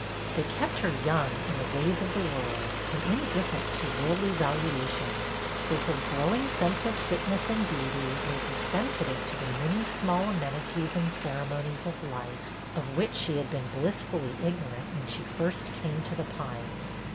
They kept her young in the ways of the world and indifferent to worldly valuations, though her growing sense of fitness and beauty made her sensi HER COMMENCEMENT 267 tive to the many small amenities and cere monies of life, of which she had been blissfully ignorant when she first came to The Pines.